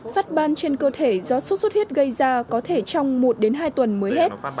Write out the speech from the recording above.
phát ban trên cơ thể do sốt xuất huyết gây ra có thể trong một đến hai tuần mới hết